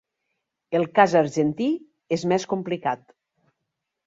El cas argentí és més complicat.